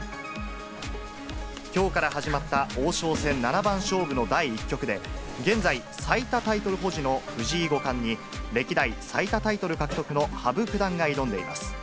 きょうから始まった王将戦七番勝負の第１局で、現在、最多タイトル保持の藤井五冠に、歴代最多タイトル獲得の羽生九段が挑んでいます。